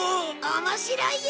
面白いや！